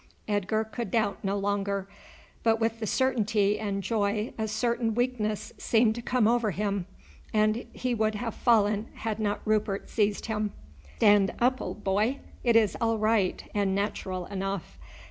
Edgar could doubt no longer, but with the certainty and joy a strange weakness seemed to come over him, and he would have fallen had not Rupert seized him. "Stand up, old boy; it is all right, and natural enough.